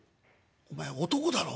お前男だろ？